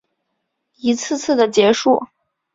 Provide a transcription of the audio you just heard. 一次次的结束